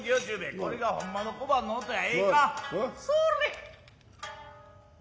これがほんまの小判の音や。